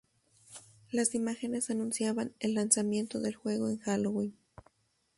Las imágenes anunciaban el lanzamiento del juego en Halloween.